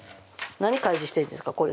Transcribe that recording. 何、開示してるんですか。